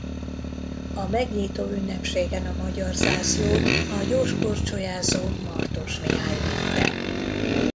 A megnyitóünnepségen a magyar zászlót a gyorskorcsolyázó Martos Mihály vitte.